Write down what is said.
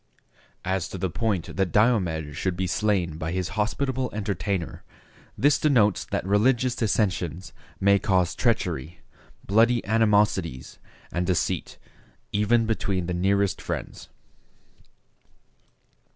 As to the point that Diomed should be slain by his hospitable entertainer, this denotes that religious dissensions may cause treachery, bloody animosities, and deceit, even between the nearest friends.